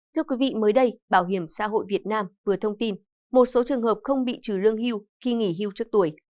thưa quý vị mới đây bảo hiểm xã hội việt nam vừa thông tin một số trường hợp không bị trừ lương hưu khi nghỉ hưu trước tuổi